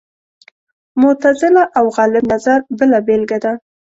معتزله او غالب نظر بله بېلګه ده